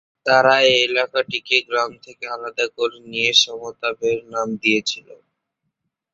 তারা এই এলাকাটিকে গ্রাম থেকে আলাদা করে নিয়ে সমতাবেড় নাম দিয়েছিল।